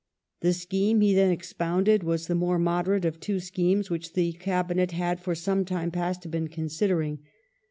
The scheme he then expounded was the more moderate of two schemes which the Cabinet had for some time past been considering.